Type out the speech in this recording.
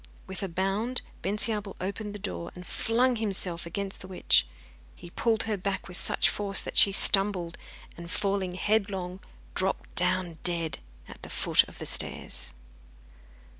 With a bound Bensiabel opened his door and flung himself against the witch. He pulled her back with such force that she stumbled, and falling headlong, dropped down dead at the foot of the stairs.